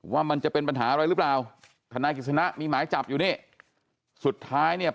ว่ามันจะเป็นปัญหาอะไรหรือเปล่าทนายกิจสนะมีหมายจับอยู่นี่สุดท้ายเนี่ย